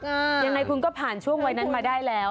ยังไงคุณก็ผ่านช่วงวัยนั้นมาได้แล้ว